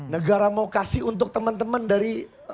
negara mau kasih untuk temen temen dari